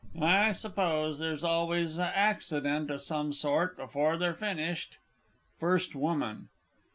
I suppose there's always a accident o' some sort before they've finished. FIRST WOMAN.